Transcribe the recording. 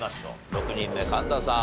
６人目神田さん